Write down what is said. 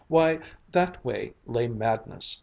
why, that way lay madness!